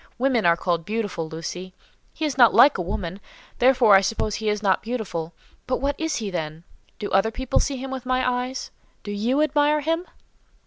Women are called beautiful, Lucy; he is not like a woman, therefore I suppose he is not beautiful, but what is he, then? Do other people see him with my eyes? Do you admire him?"